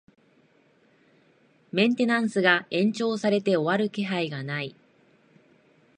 メンテナンスが延長されて終わる気配がない